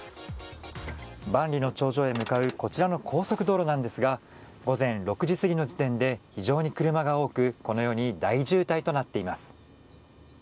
万里の長城へ向かうこちらの高速道路なんですが午前６時過ぎの時点で非常に車が多くこのように大渋滞となっています。